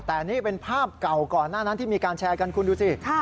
แต่นี่เป็นภาพเก่าก่อนหน้านั้นที่มีการแชร์กันคุณดูสิ